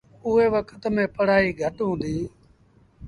اُئي وکت ميݩ پڙهآئيٚ گھٽ هُݩديٚ۔